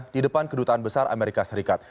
di depan kedutaan besar amerika serikat